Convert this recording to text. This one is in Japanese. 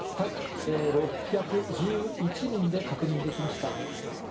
６１１人で確認できました。